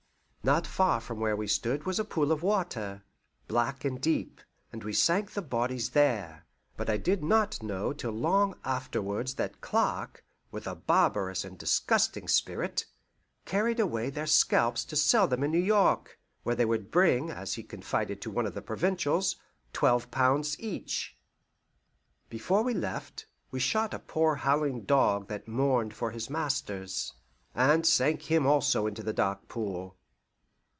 Not far from where we stood was a pool of water, black and deep, and we sank the bodies there; but I did not know till long afterwards that Clark, with a barbarous and disgusting spirit, carried away their scalps to sell them in New York, where they would bring, as he confided to one of the Provincials, twelve pounds each. Before we left, we shot a poor howling dog that mourned for his masters, and sank him also in the dark pool.